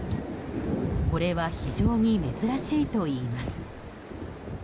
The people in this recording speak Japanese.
これは非常に珍しいといいます。